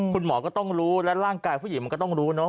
คุณหมอก็ต้องรู้และร่างกายผู้หญิงมันก็ต้องรู้เนอะ